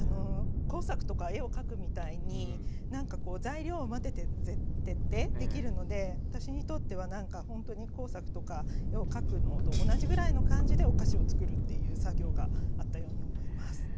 工作とか絵を描くみたいになんかこう材料を混ぜてできるので私にとってはなんかほんとに工作とか絵を描くのと同じぐらいの感じでお菓子をつくるっていう作業があったように思います。